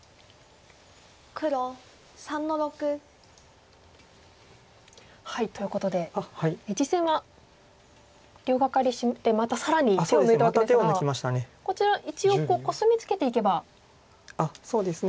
黒３の六。ということで実戦は両ガカリしてまた更に手を抜いたわけですがこちら一応コスミツケていけばまとまりそうですよね。